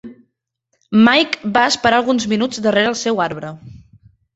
Mike va esperar alguns minuts darrere el seu arbre.